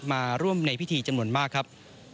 มาร่วมในพิธีจำนวนมากครับ